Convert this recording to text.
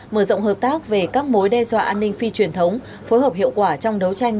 mở rộng hợp tác về các mối đe dọa an ninh phi truyền thống phối hợp hiệu quả trong đấu tranh